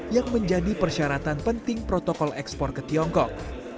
yang menjadi persyaratan penting protokol ekspor ke tiongkok